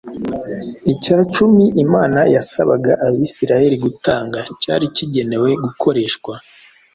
Icyacumi Imana yasabaga Abisirayeli gutanga cyari kigenewe gukoreshwa